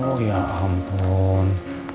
oh ya ampun